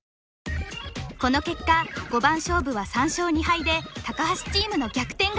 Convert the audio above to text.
この結果五番勝負は３勝２敗で高橋チームの逆転勝ち。